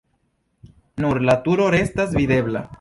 Nur la turo restas videbla.